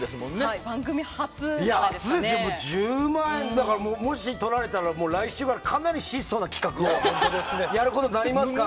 だから取られたらもう来週はかなり質素な企画をやることになりますから。